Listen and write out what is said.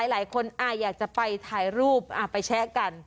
หลายคนอยากจะไปถ่ายรูปไปแชะกัน